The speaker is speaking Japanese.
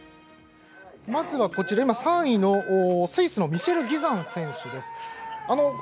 まずは３位のスイスのミシェル・ギザン選手です。